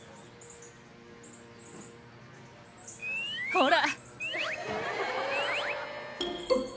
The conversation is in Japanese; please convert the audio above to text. ほら。